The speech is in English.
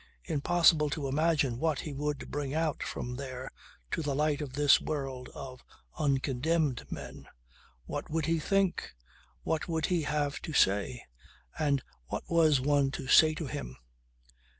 Impossible to imagine what he would bring out from there to the light of this world of uncondemned men. What would he think? What would he have to say? And what was one to say to him?